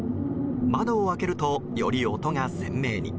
窓を開けると、より音が鮮明に。